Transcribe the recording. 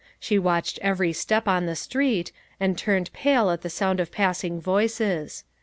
She watched every step on the street, and turned pale at the sound of pass ing voices.